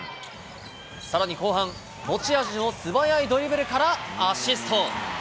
さらに後半、持ち味のすばやいドリブルからアシスト。